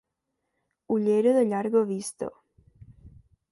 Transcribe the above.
Ullera de llarga vista.